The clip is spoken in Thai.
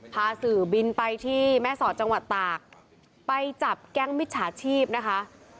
พาสื่อบินไปที่แม่สอดจังหวัดตากไปจับแก๊งมิจฉาชีพนะคะ